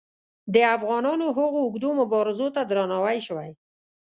د افغانانو هغو اوږدو مبارزو ته درناوی شوی.